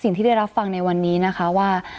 ได้รับฟังในวันนี้นะคะว่า